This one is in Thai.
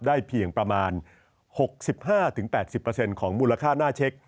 ได้เพียงประมาณ๖๕๘๐ของมูลค่าหน้าเช็ค